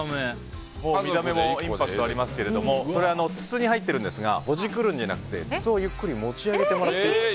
見た目もインパクトありますけど、それは筒に入っているんですがほじくるんじゃなくて筒をゆっくり持ち上げてもらって。